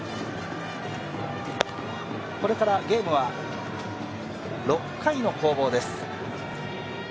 これからゲームは６回の攻防です。